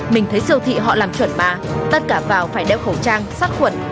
mình thấy siêu thị họ làm chuẩn bà tất cả vào phải đeo khẩu trang sát khuẩn